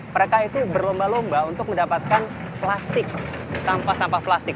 mereka itu berlomba lomba untuk mendapatkan plastik sampah sampah plastik